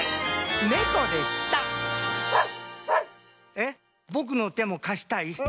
えっぼくのてもかしたい？